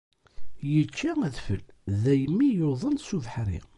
Yečča adfel, daymi yuḍen s ubeḥri.